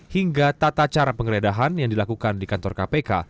hingga tata cara penggeledahan yang dilakukan di kantor kpk